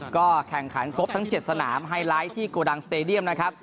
ก็แข่งขันครบทั้ง๗สนามไฮไลท์ที่โกดังสเตดียมนะครับ